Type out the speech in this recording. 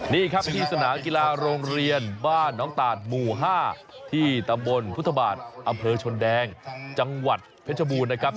นี่ครับที่สนามกีฬาโรงเรียนบ้านน้องตาดหมู่๕ที่ตำบลพุทธบาทอำเภอชนแดงจังหวัดเพชรบูรณ์นะครับ